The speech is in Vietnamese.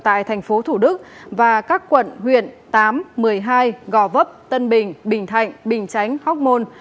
tại thành phố thủ đức và các quận huyện tám một mươi hai gò vấp tân bình bình thạnh bình chánh hóc môn